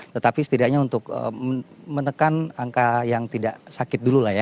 tetapi setidaknya untuk menekan angka yang tidak sakit dulu lah ya